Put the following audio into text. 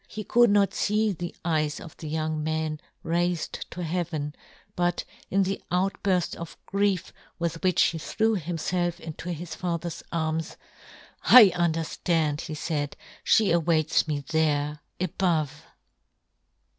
He could not fee the eyes of the young man raifed to heaven, but, in the outburft of grief with which he threw himfelf into his father's arms —" I " underftand," he faid ;" fhe awaits " me there — above